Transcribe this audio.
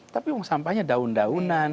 tapi sampahnya daun daunan